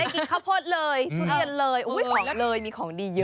ได้กินข้าวโพดเลยทุเรียนเลยอู้ของเลยมีของดีเยอะ